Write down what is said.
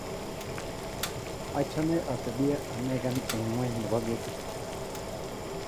Achame atebie anegei eng' ng'weny nebo ketit